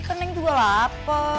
kan neng juga lapar